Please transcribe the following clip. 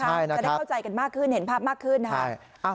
จะได้เข้าใจกันมากขึ้นเห็นภาพมากขึ้นนะครับ